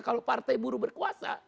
kalau partai buruh berkuasa